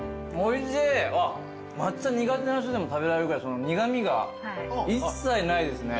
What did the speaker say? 抹茶苦手な人でも食べられるぐらい苦味が一切ないですね。